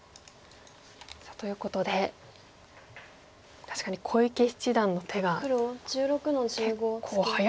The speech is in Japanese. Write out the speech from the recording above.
さあということで確かに小池七段の手が結構早いですね。